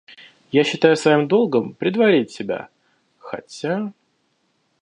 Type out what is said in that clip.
Я считаю своим долгом предварить тебя, хотя...